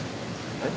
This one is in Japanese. えっ！